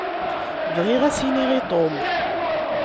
Bɣiɣ ad as-iniɣ i Tom.